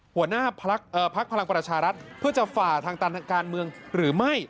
หัวหน้าพักพลังประชารัฐเพื่อจะฝ่าทางตันทางการเมืองหรือไม่